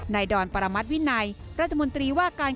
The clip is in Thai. ดอนปรมัติวินัยรัฐมนตรีว่าการ